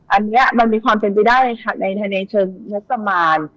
อันนี้มันมีความเป็นไปได้ในทะเลเชิงเมื่อสมาม